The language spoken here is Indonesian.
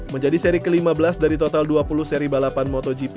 menjadi seri ke lima belas dari total dua puluh seri balapan motogp